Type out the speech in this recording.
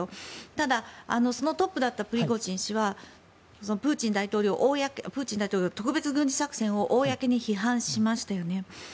ただ、そのトップだったプリゴジン氏はプーチン大統領、特別軍事作戦を公に批判しましたよね。